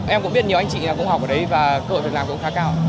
em cũng biết nhiều anh chị cũng học ở đấy và cơ hội được làm cũng khá cao